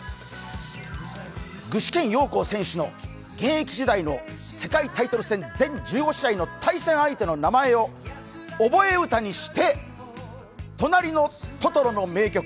具志堅用高選手の現役時代の世界タイトル戦全１５試合の対戦相手の名前を覚え歌にして「となりのトトロ」の名曲、